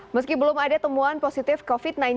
meski belum ada temuan positif covid sembilan belas